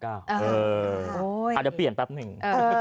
อาจจะเปลี่ยนแป๊บหนึ่ง